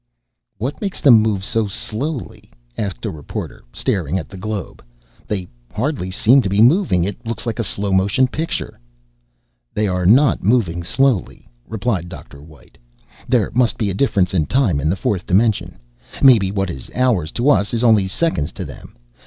"What makes them move so slowly?" asked a reporter, staring at the globe. "They hardly seem to be moving. It looks like a slow motion picture." "They are not moving slowly," replied Dr. White. "There must be a difference in time in the fourth dimension. Maybe what is hours to us is only seconds to them.